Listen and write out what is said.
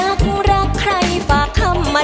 แชมป์สายนี้มันก็น่าจะไม่ไกลมือเราสักเท่าไหร่ค่ะ